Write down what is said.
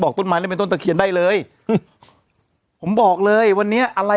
ต้นไม้นี่เป็นต้นตะเคียนได้เลยผมบอกเลยวันนี้อะไร